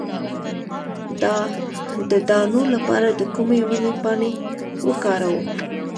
د دانو لپاره د کومې ونې پاڼې وکاروم؟